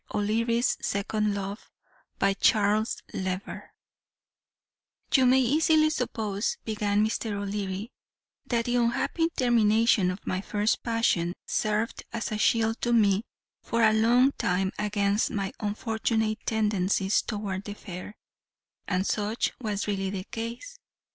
O'LEARY'S SECOND LOVE By CHARLES LEVER "You may easily suppose," began Mr. O'Leary, "that the unhappy termination of my first passion served as a shield to me for a long time against my unfortunate tendencies toward the fair, and such was really the case.